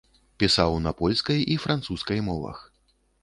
Пісаў на польскай і французскай мовах.